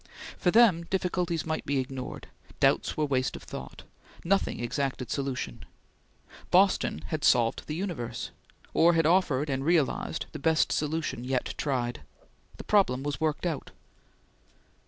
For them, difficulties might be ignored; doubts were waste of thought; nothing exacted solution. Boston had solved the universe; or had offered and realized the best solution yet tried. The problem was worked out.